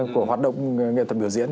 của hoạt động nghệ thuật biểu diễn